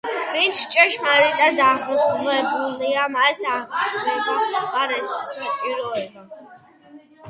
ვინც ჭეშმარიტად აღზევებულია, მას აღზევება არ ესაჭიროება.